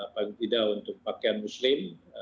paling tidak untuk pakaian muslim